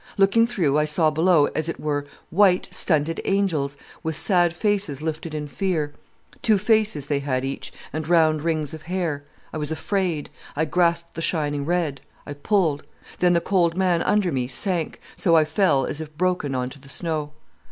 Looking through I saw below as it were white stunted angels, with sad faces lifted in fear. Two faces they had each, and round rings of hair. I was afraid. I grasped the shining red, I pulled. Then the cold man under me sank, so I fell as if broken on to the snow.